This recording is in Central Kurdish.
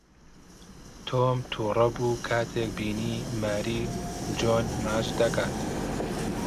تۆم تووڕە بوو کاتێک بینی ماری جۆن ماچ دەکات.